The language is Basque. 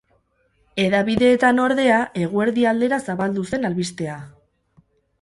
Hedabideetan, ordea, eguerdi aldera zabaldu zen albistea.